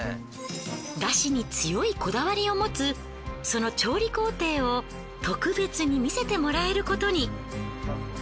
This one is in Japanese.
出汁に強いこだわりをもつその調理工程を特別に見せてもらえることに。